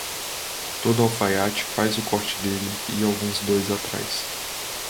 Todo alfaiate faz o corte dele e alguns dois atrás.